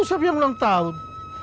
siapa yang ulang tahun